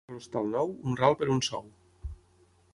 A l'hostal nou, un ral per un sou.